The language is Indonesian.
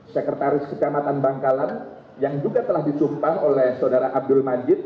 sekretaris kecamatan bangkalan yang juga telah disumpah oleh saudara abdul majid